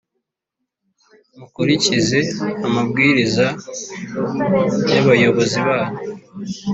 Mukurikize amabwiriza y’ abayobozi banyu